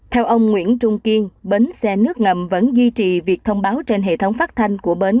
theo ông nguyễn trung kiên bến xe nước ngầm vẫn duy trì việc thông báo trên hệ thống phát thanh của bến